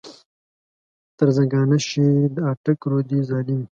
تر زنګانه شې د اټک رودې ظالمې.